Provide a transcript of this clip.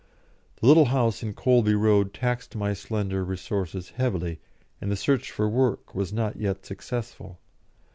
The little house in Colby Road taxed my slender resources heavily, and the search for work was not yet successful.